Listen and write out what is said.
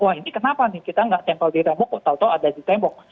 wah ini kenapa nih kita nggak tempel di rambu kok tau tau ada di tembok